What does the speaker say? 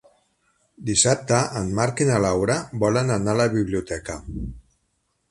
Dissabte en Marc i na Laura volen anar a la biblioteca.